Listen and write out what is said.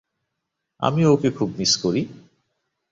আমিও ওকে খুব মিস করি।